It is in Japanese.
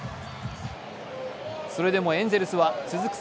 それでもエンゼルスは続く